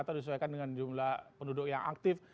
atau disesuaikan dengan jumlah penduduk yang aktif